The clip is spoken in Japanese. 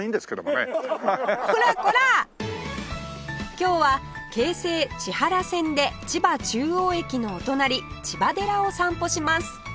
今日は京成千原線で千葉中央駅のお隣千葉寺を散歩します